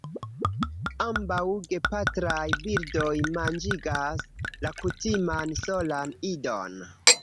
Ambaŭ gepatraj birdoj manĝigas la kutiman solan idon.